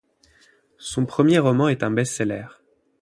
Son premier roman est un best-seller.